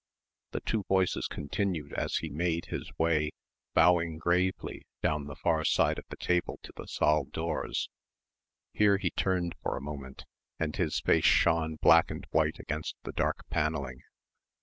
The two voices continued as he made his way, bowing gravely, down the far side of the table to the saal doors. Here he turned for a moment and his face shone black and white against the dark panelling.